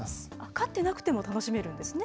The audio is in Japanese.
飼ってなくても楽しめるんですね。